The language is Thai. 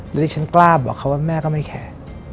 และที่ฉันกล้าบอกเขาว่าแม่ก็ไม่แข้